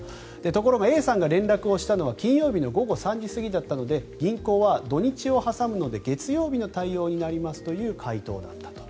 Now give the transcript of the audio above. ところがＡさんが連絡をしたのは金曜日の午後３時過ぎだったので銀行は土日を挟むので月曜日の対応になりますという回答だったと。